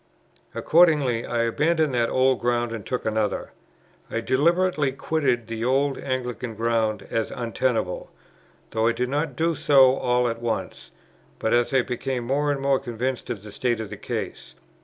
Accordingly, I abandoned that old ground and took another. I deliberately quitted the old Anglican ground as untenable; though I did not do so all at once, but as I became more and more convinced of the state of the case.